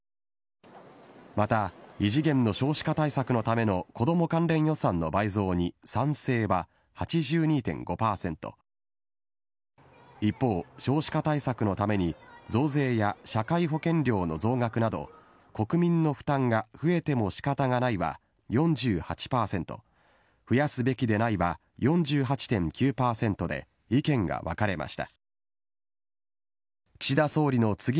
また異次元の少子化対策のための子ども関連予算の倍増に賛成は８２．５％、一方、少子化対策のために増税や社会保険料の増額など国民の負担が増えてもしかたがないは４８％、増やすべきでないは４８．９％で、意見が分かれました。